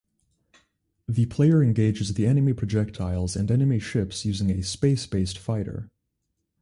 The player engages the enemy projectiles and enemy ships using a space-based fighter.